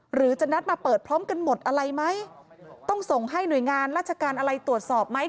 หรือจะนัดมาเปิดพร้อมกันหมดอะไรไหมต้องส่งให้หน่วยงานราชการอะไรตรวจสอบไหม